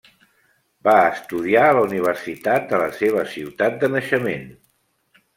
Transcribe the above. Va estudiar a la universitat de la seva ciutat de naixement.